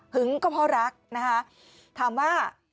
หึงก็เพราะรักนะคะ